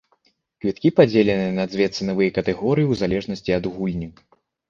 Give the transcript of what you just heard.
Квіткі падзеленыя на дзве цэнавыя катэгорыі ў залежнасці ад гульні.